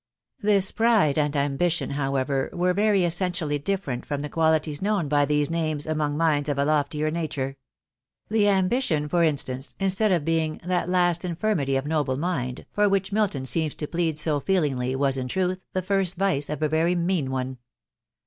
This pride and ambition, however, were very eseenti ally different from the qualities known by these names among minds of ;a loftier nature. The ambition,' for instanee, instead of being " that last infirmity of noble mind" for which Milton seems to plead' so feelingly, was, in truth, the "first vice «of a very mean one.